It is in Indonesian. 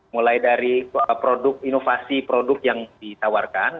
mulai dari produk inovasi produk yang ditawarkan